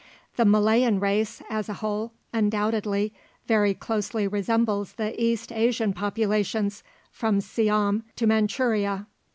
The Malayan race, as a whole, undoubtedly very closely resembles the East Asian populations, from Siam to Mandchouria.